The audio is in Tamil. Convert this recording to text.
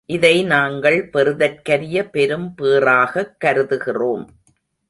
இதை நாங்கள் பெறுதற்கரிய பெரும் பேறாகக் கருதுகிறோம்.